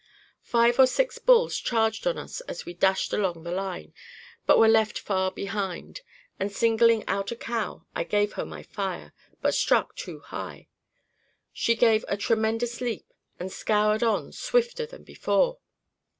Five or six bulls charged on us as we dashed along the line, but were left far behind, and singling out a cow, I gave her my fire, but struck too high. She gave a tremendous leap, and scoured on swifter than before.